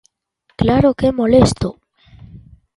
¡Claro que é molesto!